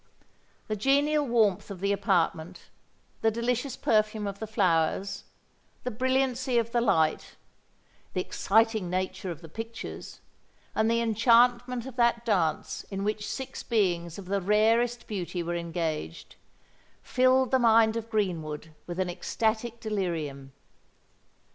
The genial warmth of the apartment—the delicious perfume of the flowers—the brilliancy of the light—the exciting nature of the pictures—and the enchantment of that dance in which six beings of the rarest beauty were engaged,—filled the mind of Greenwood with an ecstatic delirium.